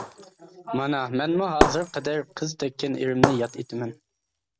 مانا مەنمۇ ھازىرغا قەدەر قىز تەگكەن ئېرىمنى ياد ئېتىمەن.